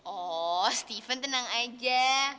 oh steven tenang aja